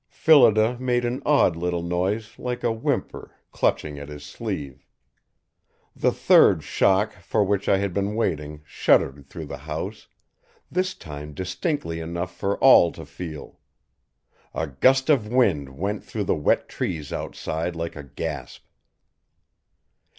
Phillida made an odd little noise like a whimper, clutching at his sleeve. The third shock for which I had been waiting shuddered through the house, this time distinctly enough for all to feel. A gust of wind went through the wet trees outside like a gasp.